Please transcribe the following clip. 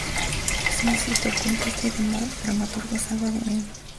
Es un escritor, cuentista y dramaturgo salvadoreño.